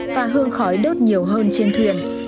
và hương khói đốt nhiều hơn trên thuyền